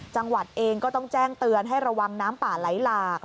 จังหวัดเองก็ต้องแจ้งเตือนให้ระวังน้ำป่าไหลหลาก